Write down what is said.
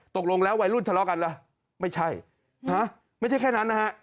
ตกลงแล้ววัยรุ่นทะเลาะกันเหรอไม่ใช่ไม่ใช่แค่นั้นนะฮะ